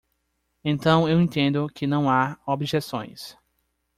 Então eu entendo que não há objeções.